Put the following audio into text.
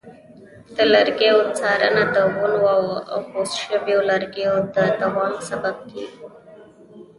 د لرګیو څارنه د ونو او غوڅ شویو لرګیو د دوام سبب کېږي.